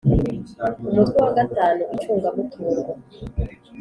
umutwe wa gatanu icungamutungo